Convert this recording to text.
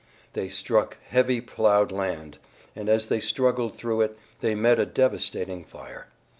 They struck heavy ploughed land, and as they struggled through it they met a devastating fire.